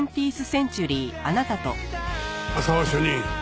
浅輪主任